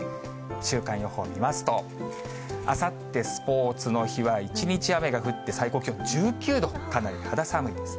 週間予報を見ますと、あさってスポーツの日は、一日雨が降って、最高気温１９度、かなり肌寒いです。